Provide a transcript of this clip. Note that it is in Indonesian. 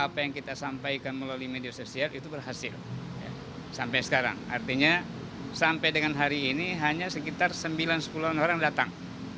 pada hari ini hanya sekitar sembilan sepuluh orang datang